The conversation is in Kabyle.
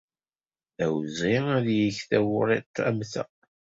D awezɣi ad yeg taɛewriḍt am ta.